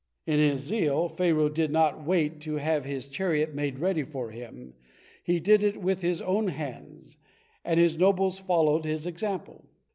In his zeal Pharaoh did not wait to have his chariot made ready for him he did it with his own hands, and his nobles followed his example.